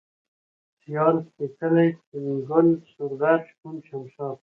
سيال ، سپېڅلى ، سپين گل ، سورغر ، شپون ، شمشاد